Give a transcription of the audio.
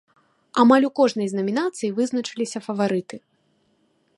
Амаль у кожнай з намінацый вызначыліся фаварыты.